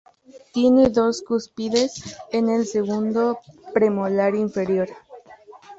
Tiene dos cúspides en el segundo premolar inferior.